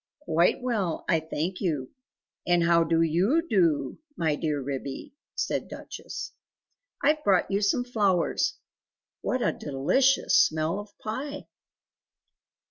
"Quite well, I thank you, and how do YOU do, my dear Ribby?" said Duchess. "I've brought you some flowers; what a delicious smell of pie!"